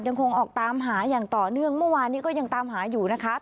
ยังคงออกตามหาอย่างต่อเนื่องเมื่อวานนี้ก็ยังตามหาอยู่นะคะ